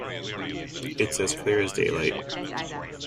It’s as clear as daylight.